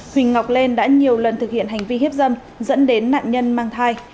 huỳnh ngọc lên đã nhiều lần thực hiện hành vi hiếp dâm dẫn đến nạn nhân mang thai